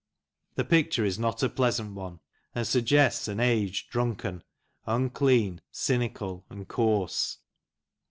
The picture is not a pleasant one, and suggests an age drunken, un clean, cynical, and coarse.